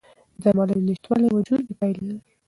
د درملنې نشتوالی وژونکي پایلې لري.